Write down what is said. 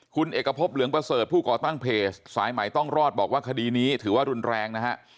คุณเอกพบเหลืองประเสริฐผู้ก่อตั้งเพจสายใหม่ต้องรอดบอกว่าคดีนี้ถือว่ารุนแรงนะฮะ